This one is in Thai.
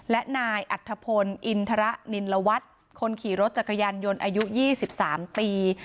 และนายอัตภพลอินทรนิลวัตต์คนขี่รถจักรยานยนต์อายุยี่สิบสามปี